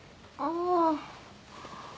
ああ。